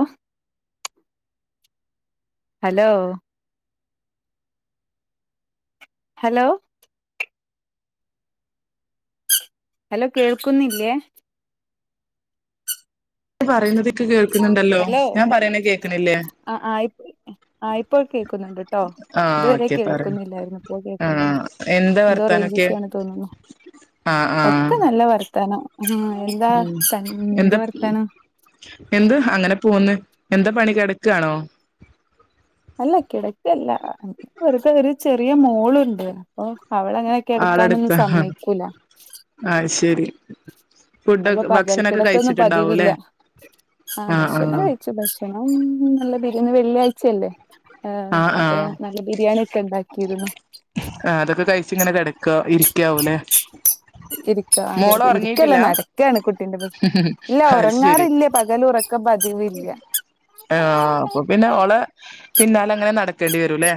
O hello hello hello കേൾക്കുന്നില്ലേ പറയുന്നത് ക്ക് കേൾ ഹലോ ആ ആ ആ ഇപ്പോൾ കേൾക്കുന്നുണ്ട് ട്ടോ ആഹ് ഇതുവരെ ഓക്കെ പറ കേൾക്കുന്നില്ലായിരുന്നു ഇപ്പോൾ ആഹ് കേൾക്കുന്നുണ്ട് എന്താ എന്തോ റേഞ്ച് വർത്താനൊക്കെ ഇഷ്യു ആണ് തോന്നുന്നു ആഹ് ആഹ് ഒക്കെ നല്ല വർത്താനം ആ എന്താ ഉം തൻ നിന്റെ എന്താ വർത്താനം എന്ത് അങ്ങനെ പൊ പോന്ന് എന്താ പണി കൊടക്കാണോ അല്ല കിടക്കല്ല വെറുതെ ഒരു ചെറിയ മോളുണ്ട് അപ്പൊ അവളങ്ങനെ കെട്ക്കാനൊന്നും ആളടുത്താ സമ്മയ്ക്കൂല ആഹ് ശരി അപ്പൊ ഫുഡൊക്കെ പകൽ ഭക്ഷണൊക്കെ കിടത്തൊന്നും പതിവില്ല കഴിച്ചിട്ടുണ്ടാവൂല്ലേ ആഹ് ഭക്ഷണം കഴിച്ചു ഭക്ഷണം നല്ല ബി ഇന്ന് വെള്ളിയാഴ്ചയല്ലേ ഏ ആഹ് അപ്പൊ ആഹ് ഞാൻ നല്ല ബിരിയാണി ഒക്കെ ണ്ടാക്കിയിരുന്നു ആഹ് അതൊക്കെ കഴിച്ച് ഇങ്ങനെ കിടക്ക ഇരിക്കാവൂലേ ഇരിക്ക അതെ മോള് അതെ ഇരിക്കല്ല ഉറങ്ങിയിട്ടില്ല നടക്കാണ് കുട്ടിന്റെ [unintelligible] ഇല്ല അത് ശരി ഉറങ്ങാറില്ല പകലുറക്കം പത് ആഹ് അപ്പൊ പിന്നെ ഓളെ പിന്നാലങ്ങനെ നടക്കേണ്ടി വരൂല്ലേ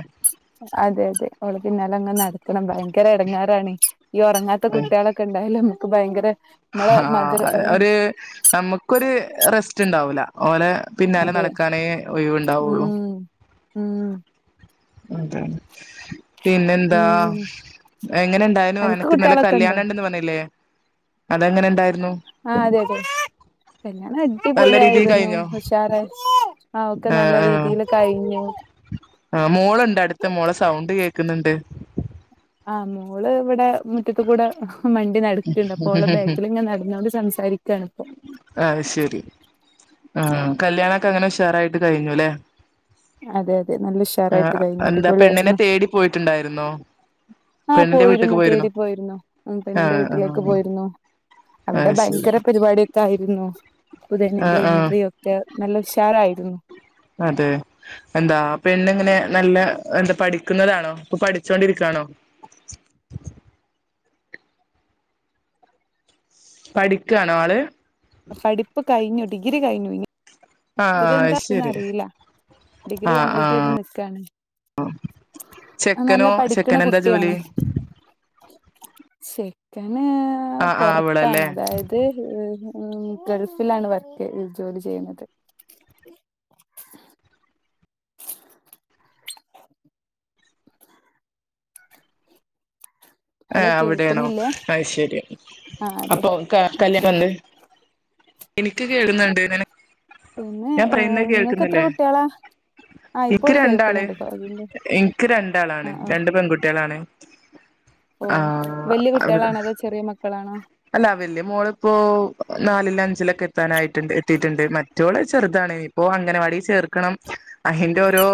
അതെ അതെ അവള് പിന്നാല അങ്ങ് നടക്കണം ഭയങ്കര എടങ്ങാറാണ് ഈ ഒറങ്ങാത്ത കുട്ടികളൊക്കെ ഉണ്ടായാലോ ഭയങ്കര നമ്മളെ ഹാ മധുര ഒരു നമുക്കൊരു റെസ്റ്റ് ഇണ്ടാവൂല ഓലെ പിന്നാലെ അതെ നടക്കാനേ ഒ യിവുണ്ടാവുള്ളു ഉം ഉം എന്താണ് പിന്നെന്താ ഉം എങ്ങനെ ഇണ്ടായിനു അനക്ക് ഇന്നലെ കുട്ടികളൊക്കെ ഉണ്ടോ കല്യാണം ഇണ്ടെന്ന് പറഞ്ഞിലേ അതെങ്ങനെണ്ടാ ആ അതെ അതെ [unintelligible] നല്ല രീതിയിൽ അടിപൊളിയായിരുന്നു കഴിഞ്ഞോ ഉഷാറായി ആ ഒക്കെ ആഹ് നല്ല ആഹ് രീതീല് കഴിഞ്ഞു ആഹ് മോളുണ്ട് അടുത്ത മോളെ സൗണ്ട് കേൾക്കുന്നുണ്ട് ആ മോള് ഇവിടെ മുറ്റത്ത്ക്കൂടെ മണ്ടി നടക്ക്ണ്ട് അപ്പോ ഓളെ ബാക്കില് ഞാൻ നടന്നോണ്ട് സംസാരി കാണ്പ്പൊ ആഹ് ശെരി ആ കല്യാണൊക്കെ അങ്ങനെ ഉഷാറായിട്ട് കഴിഞ്ഞു ലേ അതെ അതെ നല്ല ആ ഉഷാറായിട്ട് കഴിഞ്ഞു എന്താ പെണ്ണിനെ അടിപൊളിയായിരുന്നു തേടി പോയിട്ടുണ്ടായിരുന്നോ ആഹ് പെണ്ണിന്റെ വീട്ടിക്ക് പോയിരുന്നു പോയിരുന്നോ തേടിപ്പോയിരുന്നു ഉ പെണ്ണിന്റെ ആഹ് വീട്ടിലേക്ക് ആഹ് പോയിരുന്നു അവിടെ അത് ശരി ഭയങ്കര പരിപാടൊക്കെ ആയിരുന്നു പുതെണിന്റെ ആഹ് ആഹ് എൻട്രിക്കെ നല്ല ഉഷാറായിരുന്നു അതെ എന്താ പെണ്ണെങ്ങനെയാ നല്ല എന്താ പഠിക്കുന്നതാണോ ഇപ്പൊ പഠിച്ചോണ്ടിരിക്കയാണോ പഠിക്കാണോ ആള് പഠിപ്പ് കഴിഞ്ഞു ഡിഗ്രി കഴിഞ്ഞു ഇ ആഹ് അടുത്തന്താ ശരി അറിയില്ല ഡിഗ്രി ആഹ് കംപ്ലീറ്റ് ചെയ്ത് ആഹ് നിക്കാണ് ആ നല്ല ചെക്കനോ പഠിക്കണ ചെക്കനെന്താ ജോലി കുട്ടിയാണ് ചെക്കൻ ന് ആഹ് ആഹ് പുറത്താണ് അവളല്ലേ അതായത് ഉം ഗൽഫിലാണ് വർക്ക് ജോലി ചെയ്യുന്നത് ആ ഹലോ അവിടെയാണോ കേൾക്കുന്നില്ലേ അയ്ശരി ആഹ് അതെ അപ്പൊ ക ആഹ് കല്യാണം ആഹ് എന്ത് എനിക്ക് കേഴുന്നുണ്ട് നിന പിന്നെ ഞാൻ പറയുന്ന ഇങ്ങക്ക് എത്ര കേൾക്കുന്നില്ലേ കുട്ടികളാ ആഹ് എനിക്ക് ഇപ്പോൾ രണ്ടാള് കേൾക്കുന്നുണ്ട് അതിന്റെ എനിക്ക് രണ്ടാളാണ് ആഹ് ആഹ് രണ്ട് പെൺകുട്ട്യാളാണ് ഓ ആ വല്യ കുട്ടികളാണോ അതോ ചെറിയ മക്കളാണോ അല്ല വല്യാ മോളിപ്പോ നാലില് അഞ്ചിലൊക്കെ എത്താനായിട്ട് ണ്ട് എത്തീട്ട്ണ്ട് മറ്റോള് ചെറുതാണ ഇപ്പൊ അംഗനവാടി ചേർക്കണം അഹിന്റെ ഓരോ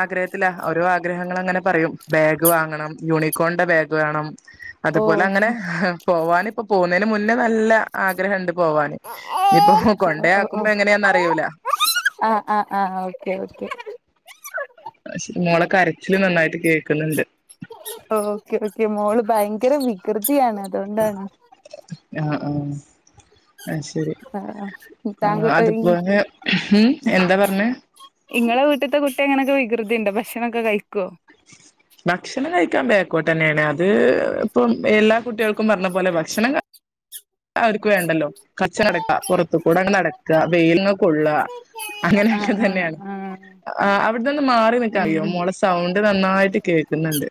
ആഗ്രഹത്തില ഓരോ ആഗ്രഹങ്ങൾ അങ്ങനെ പറയും ബാഗ് വാങ്ങണം യൂണിക്കോണന്റെ ബാഗ് ത് വേണം ഓ അതുപോലെ അങ്ങനെ പോവാന് ഇപ്പ പോകുന്നമുന്നേ നല്ല ആഗ്രഹണ്ട് പോവാന് ഇനിപ്പോ ഓ ഓ ഓ കൊണ്ടായാക്കുമ്പോ എങ്ങനെയാന്ന അറിയൂല ആഹ് ആഹ് ആഹ് ഓക്കെ ഓക്കെ മോളെ കരച്ചില് നന്നായിട്ട് കേക്കുന്നുണ്ട് ഓക്കെ ഓക്കെ മോള് ഭയങ്കര വികൃതിയാണ് അതോണ്ടാണ് ആ ആഹ് ശരി ആഹ് ആ താങ്കൾ അതുപോലെ മ് എന്താ പറഞ്ഞെ ഇങ്ങളെ വീട്ടിത്തെ കുട്ടി ഇങ്ങനൊക്കെ വികൃതിയുണ്ടോ ഭക്ഷണക്കെ കഴിക്കൊ ഭക്ഷണം കഴിക്കാൻ വേക്കോട്ടെ തന്നെയാണ് അത് ഇപ്പം എല്ലാ കുട്ടികൾക്കും പറഞ്ഞ പോലെ ഭക്ഷണം അവർക്ക് വേണ്ടല്ലോ കച്ച്നടക്ക പുറത്ത് ത്തു കൂടെ നടക്ക വെയിൽങ് കൊള്ള ആഹ് അങ്ങനെയൊക്കെ ആഹ് തന്നെയാണ് ആഹ് തൊന്ന് മാറി നിക്ക അറിയോ ഉം മോളെ സൗണ്ട് നന്നായിട്ട് കേക്കുന്നുണ്ട്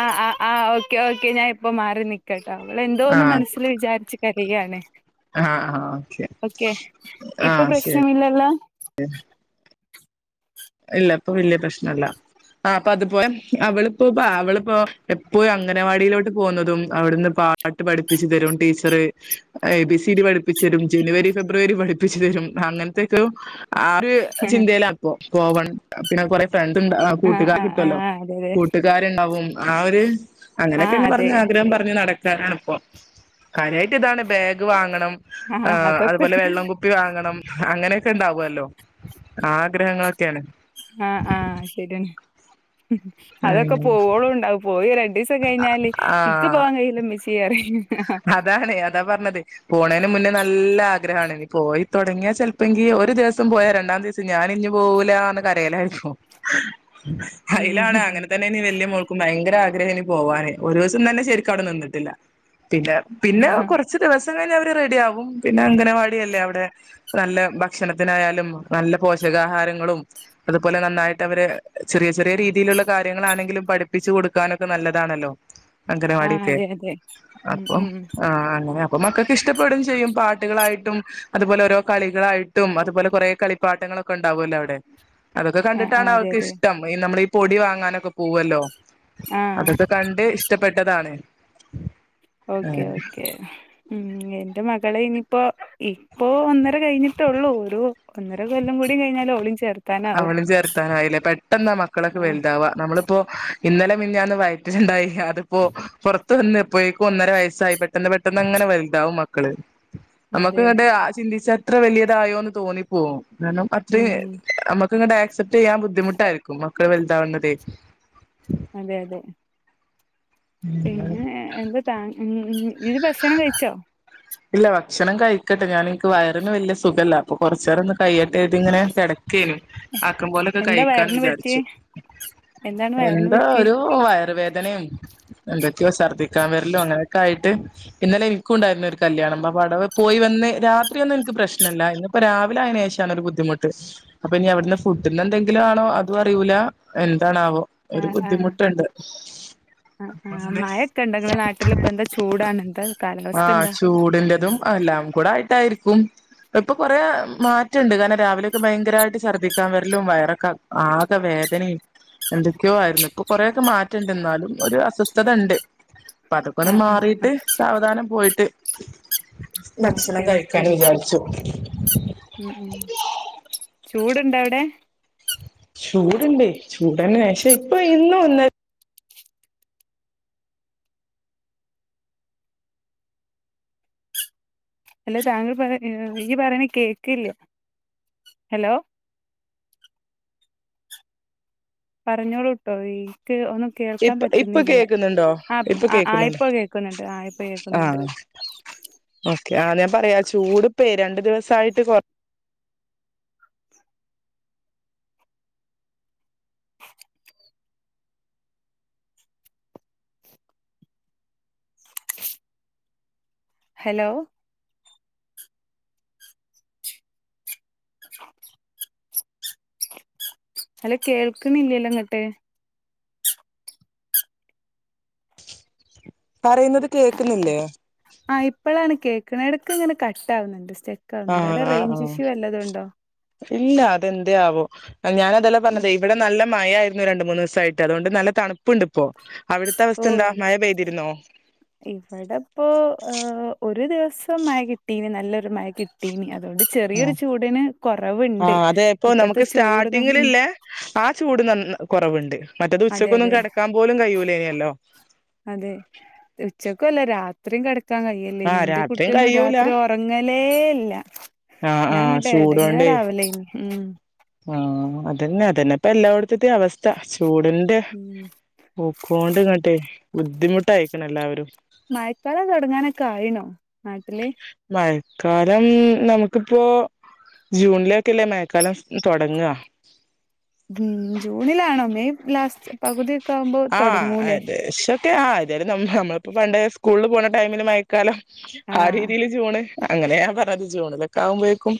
ആ ആ ആ ഓക്കെ ഓക്കെ ഞാൻ ഇപ്പോ മാറി നിക്ക അവൾ എന്തോ ഒന്ന് മനസ്സിൽ വിചാരിച്ച് [unintelligible] ആഹ് ആഹ് ഓക്കെ ഇപ്പൊ ആഹ് ശരി പ്രശ്നമില്ലല്ലോ ഇല്ല ഇപ്പൊ വല്യ പ്രശ്നല്ല ആ ഇപ്പൊ അതുപോലെ അവളിപ്പോ അവളിപ്പോ എപ്പോഴും അംഗനവാടിയിലോട്ട് പോകുന്നതും അവിടുന്ന് പാട്ട് പഠിപ്പിച്ചു തരും teacher A B C D പഠിപ്പിച്ചരും ജനുവരി ഫെബ്രുവരി പഠിപ്പിച്ചു തരും അങ്ങനത്തൊക്കെ ആ ഒരു ആഹ് ചിന്തയിലാപ്പൊ പോവണം പിന്നെ കൊറെ ഫ്രണ്ട് ഉണ്ട് കൂട്ടുകാർ ആഹ് കിട്ടൊല്ലോ ആഹ് അതെ അതെ കൂട്ടുകാരുണ്ടാവും ആ ഒരു ആഹ് അങ്ങനെയൊക്കെ അതെ പറഞ്ഞ ആഗ്രഹം പറഞ്ഞ് നട കലാണിപ്പ കാര്യായിട്ട് ഇതാണ് ബാഗ് വാങ്ങണം ആഹ് അതുപോലെ വെള്ളം കുപ്പി വാങ്ങണം അങ്ങനെ ണ്ടാവൊല്ലോ ആഗ്രഹങ്ങൾ [unintelligible] ആഹ് ആഹ് ശരിയാണ് അതൊക്കെ പോവോള ഉണ്ടാവും പോയി രണ്ട് കഴിഞ്ഞാല് ഇച്ച് ആഹ് പോവാൻ കഴിയില്ലമ്മച്ച്യേ പറയും അതാണ് അതാ പറഞ്ഞത് പോണേന് മുന്നേ നല്ല ആഗ്രഹാണ് ഇനി പോയി തുടങ്ങിയ ചെലപ്പോങ്കി ഒരു ദിവസം പോയാ രണ്ടാം ദിവസം ഞാൻ ഇഞ്ഞു പോവൂലാന്ന് കരയലായിരുന്നു ഐലാണ് ഉം അങ്ങനെ തന്നേനി വല്യ മോക്കും ഭയങ്കര ആഗ്ര പോവാനെ ഒരൂസം തന്നെ ശരിക്കും അവിടെ നിന്നിട്ടില്ല പിന്നെ പിന്നെ കുറച്ച് ദിവസം കഴിഞ്ഞ റെഡി ആവും പിന്നെ അംഗനവാടിയല്ലേ അവിടെ നല്ല ഭക്ഷണത്തിനായാലും നല്ല പോഷകാഹാരങ്ങളും അതുപോലെ നന്നായിട്ട് അവരെ ചെറിയ ചെറിയ രീതിയിലുള്ള കാര്യങ്ങളാണെങ്കിലും പഠിപ്പിച്ച് കൊടുക്കാനൊക്കെ നല്ല ഇതാണല്ലോ ആഹ് അംഗനവാടിക്കെ അതെ അതെ ഉം അപ്പം ഉം ആഹ് അപ്പ മക്കക്കിഷ്ടപ്പെടും ചെയ്യും പാട്ടുകളായിട്ടും അതുപോലെ ഓരോ കളികളായിട്ടും അതുപോലെ കൊറേ കളിപ്പാട്ടങ്ങളൊക്കെ ഉണ്ടാവുമല്ലോ അവിടെ അതൊക്കെ ആഹ് കണ്ടിട്ടാണ് ആഹ് അതെ അവൾക്ക് അതെ ഇഷ്ടം ഈ നമ്മള് ഈ പൊടി വാങ്ങാനൊക്കെ പോവൊല്ലോ ആഹ് അതൊക്കെ കണ്ട് ഇഷ്ട പെട്ടതാണ് ഓക്കെ ഓക്കേ ഊം എന്റെ മ കളെ ഇനിയിപ്പോ ഇപ്പോ ഒന്നര കഴിഞ്ഞിട്ടുള്ളൂ ഒരു ഒന്നര കൊല്ലം കൂടി കഴിഞ്ഞാലോളേം ചേർ അവളിം ചേർത്താനായില്ലേ പെട്ടെന്നാ മക്കളൊക്കെ ആഹ് വലുതാവാ നമ്മളിപ്പോ ഇന്നലെ മിനിയാന്ന് വയറ്റില്ണ്ടായി അതിപ്പോ പുറത്ത് വന്ന് അപ്പോഴേക്കും ഒന്നര വയസ്സായി പെട്ടെന്ന് പെട്ടെന്ന് അങ്ങനെ വലുതാവും മക്കള് നമക്ക് അതെ. ഇങ്ങട്ട് ചിന്തിച്ച എത്ര വലിയതായോ എന്ന് തോന്നിപ്പോവും കാരണം അതേ ഉം നമ്മുക്ക് ഇങ്ങട്ടെ ആക്സെപ്റ്റ് ചെയ്യാൻ ബുദ്ധിമുട്ടായിരിക്കും മക്കള് വലുതാവുന്നതേ അതെ അതെ പിന്നെ എന്താ താ ഇത് ഭക്ഷണം കഴിച്ചോ ഇല്ല ഭക്ഷണം കഴിക്കട്ടെ ഞാന് വയറിന് വലിയ സുഖല്ല അപ്പം കുറച്ച് നേരം ഒന്ന് കയിയട്ടേ എന്ന് ഇങ്ങനെ കെട ആകും പോലൊക്കെ എന്താ കഴിക്കാന്ന് വയറിന് പറ്റിയേ? വിചാരിച്ചു എന്താണ് വയറിന് എന്താ പറ്റിയേ? ഒരു വയറ് വേദ ഇന്നലെ എന്തൊക്കെയോ ഛർദിക്കാൻ വരലോ അങ്ങനൊക്കെ ആയിട്ട് ഇന്നലെ എനിക്കും ഉണ്ടായിരുന്നു ഒരു കല്യാണം അ അ അവിടെ പോയി വന്ന് രാത്രിയൊന്നും എനിക്ക് പ്രശ്നമില്ലായിരുന്നു. ഇപ്പോ രാവിലെ ആയതിന് ശേഷാണ് ഒരു ബുദ്ധിമുട്ട് അപ്പൊ ഇനി അവിടുന്ന് ഫുഡിന്ന് എന്തെങ്കിലും ആണോ അതും അറിയൂല എന്താണാവോ ഒരു ആഹ് ബുദ്ധിമുട്ടുണ്ട് ആ അങ്ങനെ മഴൊക്കെ ഉണ്ടൊ നിങ്ങടെ നാട്ടിലിപ്പ എന്താ ചൂടാണോ എന്താ ആ ചൂടിന്റെതും എല്ലാം കൂടെ ആയിട്ടായിരിക്ക ക്കും ഇപ്പൊ കൊറേ മാറ്റണ്ട് കാരണം രാവിലൊക്കെ ഭയങ്കരമായിട്ട് ഛർദിക്കാൻ വരലും വയറൊക്കെ ആകെ വേദനയും എന്തൊക്കെയോ ആയിരുന്നു ഇപ്പൊ കൊറേക്കെ മാറ്റണ്ട് എന്നാലും ഒരു അസ്വസ്ഥത ഉണ്ട് അപ്പ അതൊക്കെന്ന് ആഹ് ആഹ് മാറിട്ട് സാവധാനം പോയിട്ട് [unintelligible] ഭക്ഷണം ഓക്കെ ഓക്കെ കഴിക്കാന്ന് വിചാരിച്ചു ഉം ഉം ചൂട് ഉണ്ടോവിടെ ചൂടുണ്ട് ചൂടന്നെ പക്ഷെ ഇപ്പൊ ഇന്ന് ഒന്ന് അല്ല താങ്കൾ പറ ഈ പറയണ കേക്കില്ല ഹലോ പറഞ്ഞോളൂട്ടോ ഈ ഇപ്പ ഇപ്പൊ കേക്കുന്നുണ്ടോ ആ ഇപ്പൊ ആ ആ, കേക്കുന്നുണ്ടോ ഇപ്പൊ കേക്കുന്നുണ്ട് ആ ഇപ്പൊ ആ കേക്കുന്നുണ്ട് ഓക്കെ ആ ഞാൻ പറയാ ചൂട്പ്പം രണ്ട് ദിവസ സൈറ്റ്കൊ ഹലോ [inaudible] അല്ല കേൾക്ക്ണില്ലല്ലോ ഇങ്ങോട്ട് പറയുന്നത് കേക്കുന്നില്ലേ എടക്ക്ങ്ങനെ ഇങ്ങനെ കട്ടാവുന്നുണ്ട് [unintelligible] അവിടെ ആഹ് ആഹ് റൈഞ്ച് ആഹ് ഇഷ്യൂ വല്ലാതും ഉണ്ടോ ഇല്ല അതെന്തയാവോ ഞാനതെല്ല ഉം. പറഞ്ഞത് ഇവിടെ നല്ല മഴയാരി രണ്ട് മൂന്ന് ദിവസം ആയിട്ട് അതോണ്ട് നല്ല തണുപ്പുണ്ട് ഇപ്പോ അവിടുത്തെ ഓ അവസ്ഥ എന്താ മഴ പെയ്തിരുന്നോ ഇവിടെപ്പോ ഒരു ദിവസ സം മഴ കിട്ടീനി നല്ലൊരു മഴ കിട്ടീനി ആ ആ അതെ ഇപ്പോ ഇപ്പത്തെ നമുക്ക് ചൂടിനും ഉം സ്റ്റാർട്ടിങ്ങിളില്ലേ ആ ചൂട് നന്ന കുറവുണ്ട് മറ്റേത് അതെ ഉച്ചക്കൊന്നും അതെ കെടക്കാൻ പോലും കഴൂനേണല്ലോ ക്കല്ല രാത്രിയും കെട ക്കാൻ കഴിയില്ല ഇനി ഇന്റെ കുട്ടി രാത്രിയും ഒന്നും കഴിയൂല രാത്രി ഉറങ്ങ ഇല്ലേ ഇല്ല ആ ആ ഞാൻ ഇങ്ങട്ട് എടങ്ങേറ് ആവലയ്ന് മ് ആഅതന്നെ അതന്നെപ്പ എല്ലായിടത്തത്തെ അവസ്ഥ ചൂടിന്റെ ഉം പോക്കോണ്ട്ങ്ങട്ട് ബുദ്ധിമുട്ടായിക്ക്ണ് എല്ലാവരും മഴക്കാലം തൊടങ്ങാനൊക്കെ ആയിണോ നാട്ടില് മഴക്കാലം നമുക്കിപ്പൊ ജൂണിലൊക്കെല്ലേ മഴക്കാലം തൊടങ്ങാ മ് ജൂണിലാണോ മെയ് ലാസ്റ്റ് പകുതിയൊ ആ ഏകദേശം ആ ഏതായാലും നമ്മളിപ്പോ പണ്ട് സ്കൂളിൽ പോണ ടൈമിലും മഴ കാലം ആ ആഹ് രീതിയില് ജൂൺ അങ്ങനെ ഞാൻ പറഞ്ഞത് ജൂണിലൊക്കെ ആകുമ്പോഴേക്കും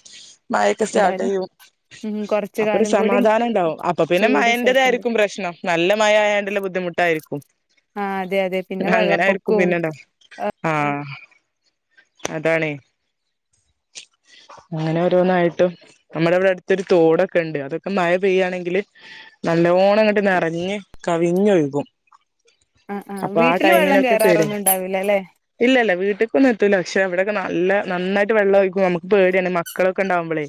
മഴ ഒക്കെ സ്റ്റാർട്ട് എന്തായാലും ചെയ്യും ഉം കൊറച്ച് അപ്പൊ ഒരു കാലം കൂടി സമാധാനം ഉണ്ടാവും അപ്പൊ പിന്നെ ചൂട് സഹിക്കണ്ട് മഴന്റത്ആയിരിക്കും പ്രശ്നം നല്ല മഴ നല്ല ബുദ്ധിമുട്ടായിരിക്കും ആഹ് അതെ അതെ പിന്നെ അങ്ങനെയിരിക്കും വെള്ളപ്പൊക്കവും പിന്നീണ്ട ആ അതാണെ അങ്ങനെ ഓരോന്നായിട്ടും നമ്മുടെ ഇവിടെ അടുത്തൊരു തോടൊക്കെ ഉണ്ട് അതൊക്കെ മയ പെയ്യയാണെങ്കിൽ നല്ലോണം അങ്ങോട്ട് നിറഞ്ഞ് കവിഞ്ഞൊഴുകും ആ ആ അപ്പൊ വീട്ടില് വെള്ളം ടൈമിനൊക്കെ പേടിയാ കേറാറൊന്നും ഉണ്ടാവില്ല ല്ലെ ഇല്ല ഇല്ല വീട്ടിക്കൊന്നും എത്തൂല പക്ഷെവിടെക്കെ നല്ല നന്നായിട്ട് വെള്ളം ഒഴുകും നമുക്ക് പേടിയാണ് മക്കളൊക്കെ ഉണ്ടാവുമ്പോള്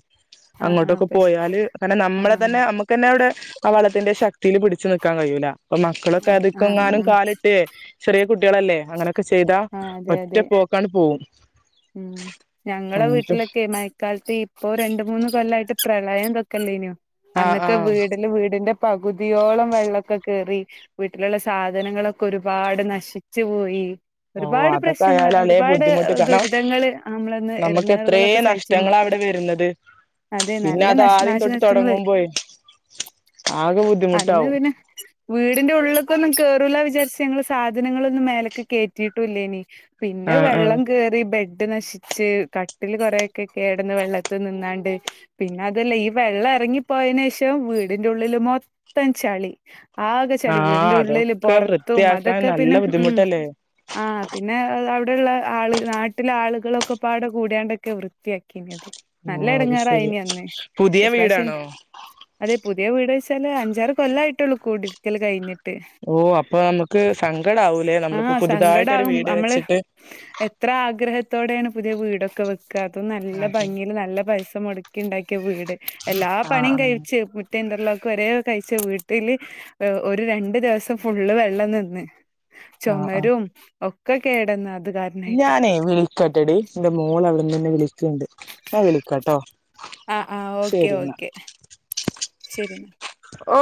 ആഹ് ആഹ് അങ്ങോട്ടൊക്കെ പശ് പോയാല് കാരണം ആഹ് നമ്മളെ തന്നെ നമുക്ക് തന്നെവിടെ ആ വള ത്തിന്റെ ശക്തിയിൽ പിടിച്ച് നിൽക്കാൻ കഴിയൂല അപ്പൊ മക്കളൊക്കെ ആഹ് അതക്കെ ആഹ് എങ്ങാനും ആഹ് കാലിട്ടേ ചെറിയ കുട്ടികളല്ലേ അങ്ങനെ ആ അതെ അതെ മ് ഞങ്ങളെ അങ്ങനത്തെ വീട്ടിലൊക്കെ മഴകാലത്തെ ഇപ്പൊ രണ്ടുമൂന്നു കൊല്ലായിട്ട് പ്രളയം ദക്കല്ലയ്നോ ആഹ് അന്നൊക്കെ ആഹ് വീടില് വീടിന്റെ പകുതിയോളം വെള്ളക്കൊ കേറി വീട്ടിലുള്ള സാധനങ്ങളൊക്കെ ഒരുപാട് നശിച്ചു പോയി ഓ ഒരുപാട് അതൊക്കെ പ്രശ്നങ്ങൾ ആയാല് അല്ലേ ഒരുപാട് ബുദ്ധിമുട്ട് കാരണം ദുരിതങ്ങള് നമ്മളന്ന് നമുക്ക് എത്രേ ഇടങ്ങാറുകളൊക്കെ സഹിച്ചിരുന്നു നഷ്ടങ്ങളാ അവിടെ വരുന്നത് അതെ പിന്നെ നല്ല അത് ആദ്യം തൊട്ട് നാശനഷ്ടങ്ങള് തുടങ്ങുമ്പോഴേ ആകെ അന്ന് ബുദ്ധിമുട്ടാവും പിന്നെ വീടിന്റെ ഉള്ള് ക്കൊന്നും കേറൂലാന്ന് വിചാരിച്ച് ഞങ്ങള് സാധനങ്ങളന്നും മേലക്ക് കേ കേട്ടുല്ലായിനി പിന്നെ ആഹ് ആഹ് വെള്ളം കേറി ബെഡ ഇട്ട് നശിച്ച് കട്ടിൽ കുറെയൊക്കെ കേടന്ന് വെള്ളത്തിൽ നിന്നാണ്ട് പിന്നെ അതല്ലേ ഈ വെള്ളം ഇറങ്ങിപ്പോയന് ശേഷം വീടിന്റെ ഉള്ളിൽ മൊത്തം ചളി ആകെ ചെളി ആഹ് വീടിൻ്റെ ഉള്ളില് അതൊക്കെ പൊറത്തും വൃത്തിയാക്കാൻ അതൊക്കെ പിന്നെ നല്ല മ് ബുദ്ധിമുട്ടല്ലേ ആ പിന്നെ അത് അവിടെയള്ള ആള നാട്ടില ആളുകളൊക്കെ പാട കൂടാണ്ടൊക്കെ വൃത്തിയാക്കി അത് ഓ നല്ല അത് ശരി ഇടങ്ങാറായിനി അന്ന് പുതിയ ഇപ്രാവശ്യം വീടാണോ അതെ പുതിയ വീട് ചില അഞ്ചാറ് കൊല്ലായിട്ടുള്ളൂടിരിക്കൽ കഴിഞ്ഞിട്ട് ഓ അപ്പൊ നമുക്ക് സങ്കടം ആവൂലേ നമ്മളിപ്പോ പു സങ്കടമാകും നമ്മള് എത്ര ആഗ്രഹത്തോടെയാണ് പുതിയ വീടക്കെ അതും നല്ല അതെ ഭംഗിയില് നല്ല പൈസ മടക്കി ഉണ്ടാക്കിയ വീട് എല്ലാ ആഹ് പണിയും ആഹ് കഴച്ച് റ് ഇന്റർലോക്ക് ഒര കഴിച്ച വീട്ടില് ഒരു രണ്ടു ദിവസം ഫുള്ള് വെള്ളം നിന്ന് ആ ആ ചൊമരും ഒക്കെ കേടന്ന അ ഞാനേ വിളിക്കാട്ടെടി എന്റെ മോള അവിടെ നി തന്നെ വിളിക ണ്ട് ഞാൻ വിളിക്കാട്ടോ ആ ആ ഓക്കെ ശരി എന്നാ ഓക്കെ ശരി ഓ